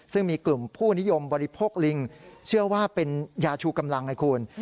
ซึ่งมีกลุ่มผู้นิยมบริโภคลิงเชื่อว่าเป็นยาชูกำลังให้คุณ